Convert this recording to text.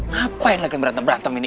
ngapain berantem berantem ini